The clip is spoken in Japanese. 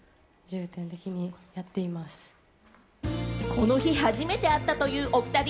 この日、初めて会ったというおふたり。